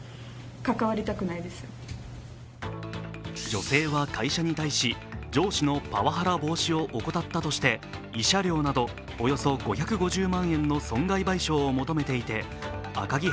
女性は会社に対し上司のパワハラ防止を怠ったとして慰謝料など、およそ５５０万円の損害賠償を求めていてアカギ